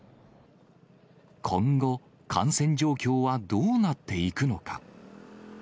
今後、感染状況はどうなっていくのか。